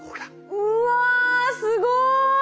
うわすごい！